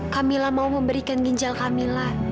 kamila mau memberikan ginjal camilan